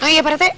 iya pak rete